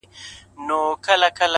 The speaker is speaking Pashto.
ما مي د هسک وطن له هسکو غرو غرور راوړئ؛